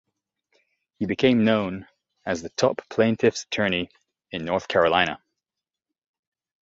He became known as the top plaintiffs' attorney in North Carolina.